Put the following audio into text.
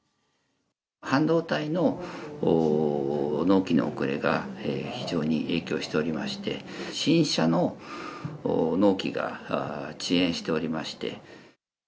半導体の納期の遅れが非常に影響しておりまして、新車の納期が遅延しておりまして。